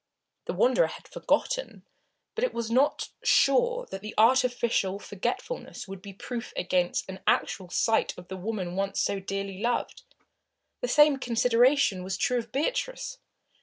The Wanderer had forgotten, but it was not sure that the artificial forgetfulness would be proof against an actual sight of the woman once so dearly loved. The same consideration was true of Beatrice.